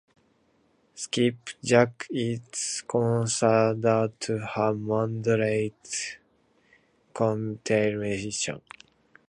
Skipjack is considered to have "moderate" mercury contamination.